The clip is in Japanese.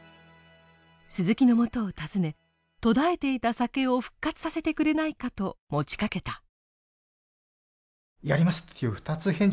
鈴木のもとを訪ね途絶えていた酒を復活させてくれないかと持ちかけた。